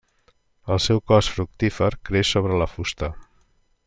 El seu cos fructífer creix sobre la fusta.